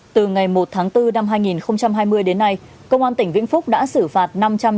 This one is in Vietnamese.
từ ngày một tháng bốn năm hai nghìn hai mươi đến nay công an tỉnh vĩnh phúc đã xử phạt